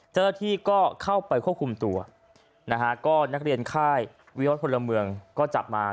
เจ้าหน้าที่ก็เข้าไปควบคุมตัวนะฮะก็นักเรียนค่ายวิวัตรพลเมืองก็จับมา